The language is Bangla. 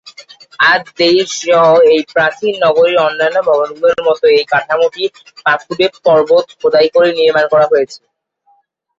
আদ দেইর সহ এই প্রাচীন নগরীর অন্যান্য ভবনগুলোর মত এই কাঠামোটি পাথুরে পর্বত খোদাই করে নির্মাণ করা হয়েছে।